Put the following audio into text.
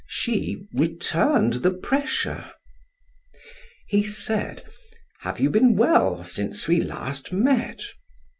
She returned the pressure. He said: "Have you been well since we last met?"